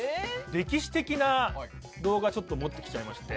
歴史的な動画ちょっと持ってきちゃいまして。